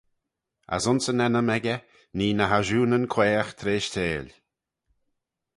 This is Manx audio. As ayns yn ennym echey, nee ny ashoonyn-quaagh treishteil.